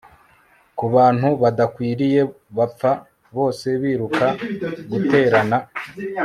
kubantu badakwiriye bapfa bose biruka guterana